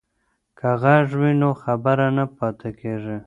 که غږ وي نو خبر نه پاتیږي.